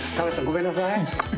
ごめんなさい。